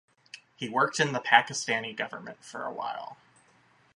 He worked in the Pakistani government for a while.